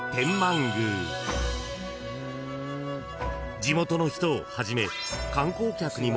［地元の人をはじめ］